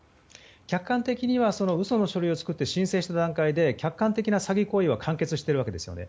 客観的には嘘の書類を作って申請した段階で客観的な詐欺行為は完結しているわけですよね。